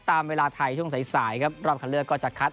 ตามเวลาไทยช่วงสายสายครับรอบคันเลือกก็จะคัด